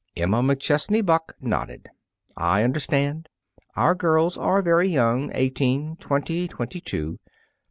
Emma McChesney Buck nodded: "I understand. Our girls are very young eighteen, twenty, twenty two.